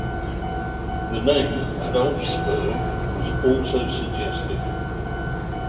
The name "Adolfsburg" was also suggested.